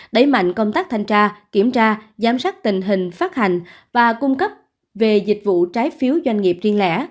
đẩy mạnh công tác thanh tra kiểm tra giám sát tình hình phát hành và cung cấp về dịch vụ trái phiếu doanh nghiệp riêng lẻ